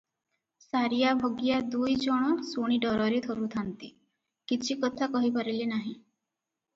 'ସାରିଆ ଭଗିଆ ଦୁଇ ଜଣ ଶୁଣି ଡରରେ ଥରୁଥାନ୍ତି, କିଛି କଥା କହିପାରିଲେ ନାହିଁ ।